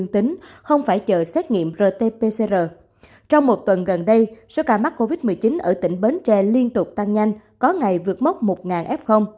trong một tuần gần đây số ca mắc covid một mươi chín ở tỉnh bến tre liên tục tăng nhanh có ngày vượt mốc một f